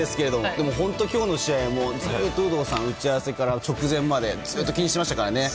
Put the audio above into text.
でも今日の試合ずっと有働さん、打ち合わせから直前まで気にしていましたからね。